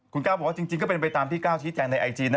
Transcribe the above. คุณก้าวบอกว่าจริงก็เป็นไปตามที่ก้าวชี้แจงในไอจีนะ